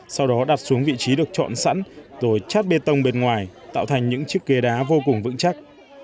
sau đó đặt xuống vị trí được chọn sẵn rồi chát bê tông bên ngoài tạo thành những chiếc ghế đá vô cùng vững chắc